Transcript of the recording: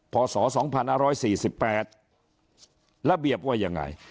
พศสองพันธ์อาร้อยสี่สิบแปดระเบียบว่ายังไง